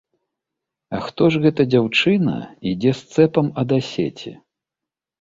А хто ж гэта, дзяўчына, ідзе з цэпам ад асеці?